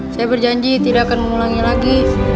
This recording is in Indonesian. saya berjanji tidak akan mengulangi lagi